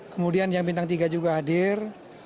kemudian yang bintang tiga juga hadir